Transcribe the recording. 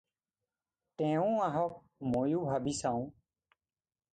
তেৱোঁ আহক, ময়ো ভাবি চাওঁ।